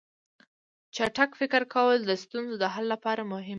چټک فکر کول د ستونزو د حل لپاره مهم دي.